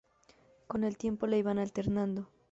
Con el tiempo la iban alterando.